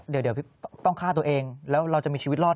เดี๋ยวพี่ต้องฆ่าตัวเองแล้วเราจะมีชีวิตรอด